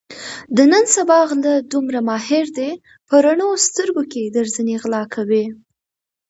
د نن سبا غله دومره ماهر دي په رڼو سترګو کې درځنې غلا کوي.